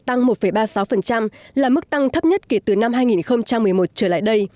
tăng một ba mươi sáu là mức tăng thấp nhất kể từ năm hai nghìn một mươi một trở lại đây